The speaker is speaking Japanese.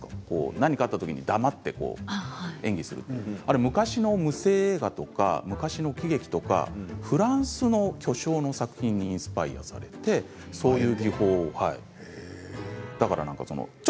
何かあったときに黙って演技をするあれは昔の無声映画とか喜劇とかフランスの巨匠の作品にインスパイアをされてそういう技法を使ったそうです。